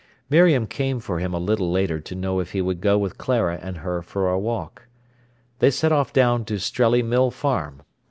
Miriam came for him a little later to know if he would go with Clara and her for a walk. They set off down to Strelley Mill Farm.